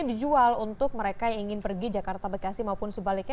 dijual untuk mereka yang ingin pergi jakarta bekasi maupun sebaliknya